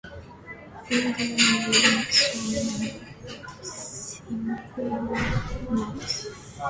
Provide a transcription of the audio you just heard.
Having won re-election in Simcoe North, McCarthy resigned the Brandon seat.